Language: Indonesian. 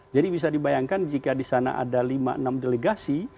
bisa dibayangkan jika di sana ada lima enam delegasi